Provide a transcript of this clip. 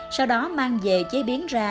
sau đó mang về chế biến ra